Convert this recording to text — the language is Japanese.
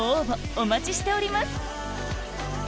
お待ちしております